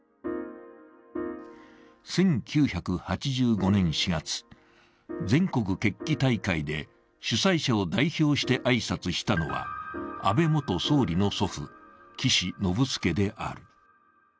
１９８５年４月、全国決起大会で主催者を代表して挨拶したのは、安倍元総理の祖父・岸信介である。